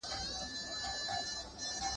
• ته حرکت وکه، زه به برکت وکم.